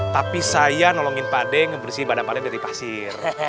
tapi saya nolongin pade ngebersihin badan pade dari pasir